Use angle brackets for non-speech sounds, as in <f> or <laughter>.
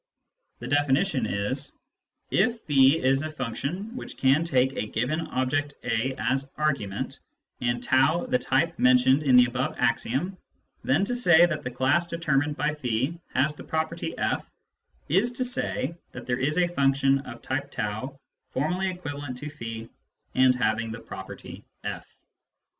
The definition is : If <f> is a function which can take a given object & as argument, and t the type mentioned in the above axiom, then to say that the class determined by <j> has the property f is to say that there is a function of type t, formally equivalent to <j>, and having the property f.